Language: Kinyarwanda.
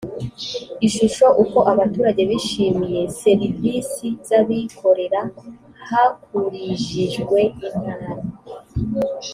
ishusho uko abaturage bishimiye serivisi z abikorera hakurijijwe intara